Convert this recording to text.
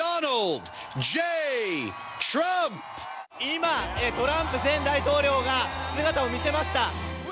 今、トランプ前大統領が姿を見せました。